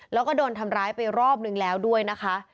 แล้วก็โดนทำร้ายไปรอบนึงแล้วด้วยนะคะ